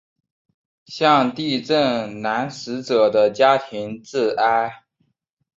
向地震男死者的家庭致哀。